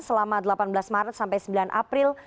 selama delapan belas maret sampai sembilan april